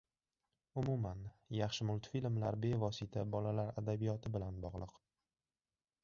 umuman, yaxshi multfilmlar bevosita bolalar adabiyoti bilan bog‘liq.